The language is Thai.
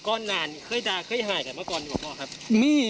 ก่อนนานมันเคยดาเคยหายแต่มะกอนอยู่ป่ะครับ